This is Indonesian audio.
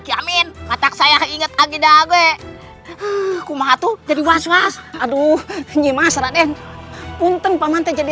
kiamin mata saya inget ageda gue kumatu jadi was was aduh ini mas raden punten pamante jadi